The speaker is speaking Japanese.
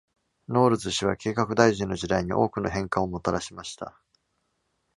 ノウルズ氏は計画大臣の時代に多くの変化をもたらしました。